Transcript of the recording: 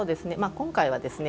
今回はですね